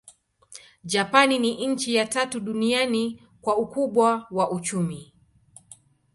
Japani ni nchi ya tatu duniani kwa ukubwa wa uchumi.